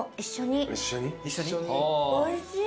おいしい。